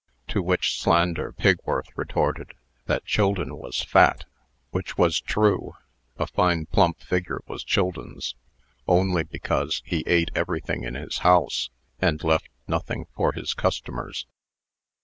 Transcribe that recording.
To which slander Pigworth retorted, that Childon was fat (which was true a fine, plump figure was Childon's) only because he ate everything in his house, and left nothing for his customers.